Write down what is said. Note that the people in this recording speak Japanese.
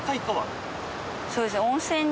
そうですね